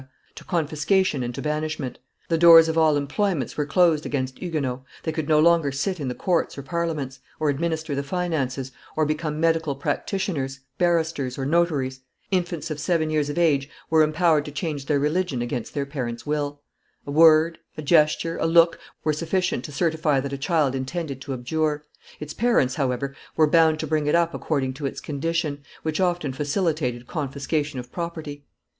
to confiscation and to banishment. The door's of all employments were closed against Huguenots; they could no longer sit in the courts or Parliaments, or administer the finances, or become medical practitioners, barristers, or notaries; infants of seven years of age were empowered to change their religion against their parents' will; a word, a gesture, a look, were sufficient to certify that a child intended to abjure; its parents, however, were bound to bring it up according to its condition, which often facilitated confiscation of property.